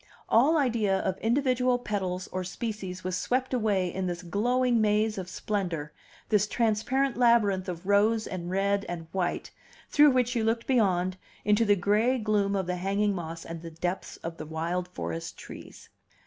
All idea of individual petals or species was swept away in this glowing maze of splendor, this transparent labyrinth of rose and red and white, through which you looked beyond, into the gray gloom of the hanging moss and the depths of the wild forest trees.